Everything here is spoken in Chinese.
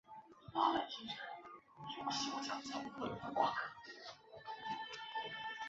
而来自澳门的运动员则因为中国澳门不是国际奥委会成员而没有参赛。